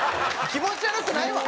気持ち悪くないわ！